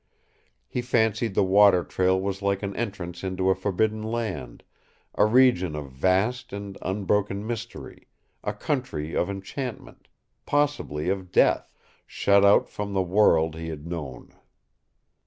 He fancied the water trail was like an entrance into a forbidden land, a region of vast and unbroken mystery, a country of enchantment, possibly of death, shut out from the world he had known.